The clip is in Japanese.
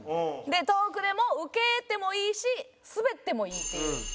トークでもウケてもいいしスベってもいいっていう。